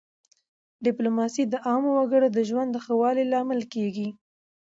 ډیپلوماسي د عامو وګړو د ژوند د ښه والي لامل کېږي.